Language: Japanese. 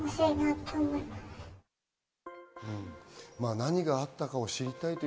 何があったかを知りたいとい